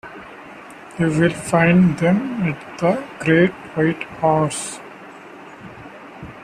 You will find them at the Great White Horse.